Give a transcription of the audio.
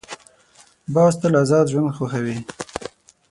باز تل آزاد ژوند خوښوي